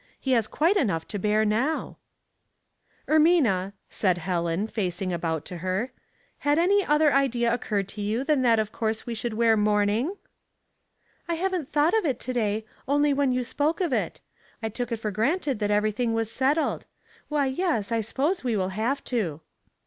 He has quite enough to bear now." Mourning and Dressmaking, 95 "Ermina," said Helen, facing about to her, '' had any other idea occurred to you than that of course we would wear mourning?'' " I haven't thought of it to day only when you spoke of it. I took it for granted that everything was settled. Why, yes, I suppose we will have to."